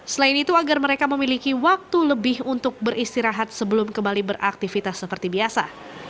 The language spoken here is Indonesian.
selain itu agar mereka memiliki waktu lebih untuk beristirahat sebelum kembali beraktivitas seperti biasa